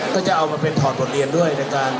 ก็จะเอามาเป็นถอดบทเรียนด้วยในการ